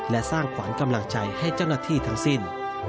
และสร้างขวัญกำลังใจให้เจ้าหน้าที่ทั้งสิ้น